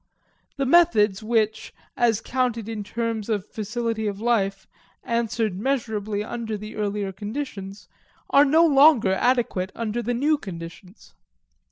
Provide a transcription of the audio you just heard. The methods which, as counted in terms of facility of life, answered measurably under the earlier conditions, are no longer adequate under the new conditions.